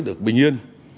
được bình yên